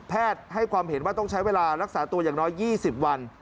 ให้ความเห็นว่าต้องใช้เวลารักษาตัวอย่างน้อย๒๐วัน